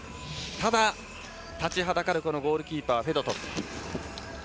ただ、立ちはだかるゴールキーパーのフェドトフ。